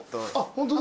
ホントだ。